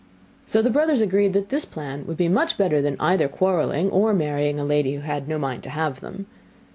So the brothers agreed that this plan would be much better than either quarrelling or marrying a lady who had no mind to have them.